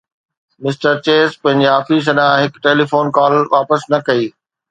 mister Chase پنهنجي office ڏانهن هڪ ٽيليفون ڪال واپس نه ڪئي